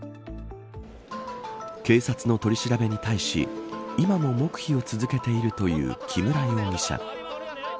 警察の取り調べに対し今も黙秘を続けているという木村容疑者。